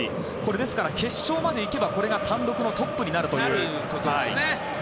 ですから決勝まで行けばこれが単独トップになるということです。